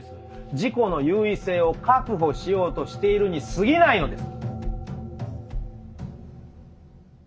自己の優位性を確保しようとしているにすぎないのです。